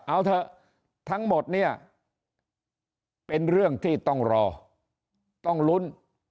เอาเถอะทั้งหมดเนี่ยเป็นเรื่องที่ต้องรอต้องลุ้น